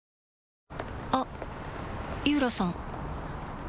あっ井浦さん